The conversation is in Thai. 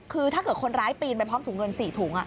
คือถ้าเกิดคนร้ายปีนไปพร้อมถุงเงิน๔ถุง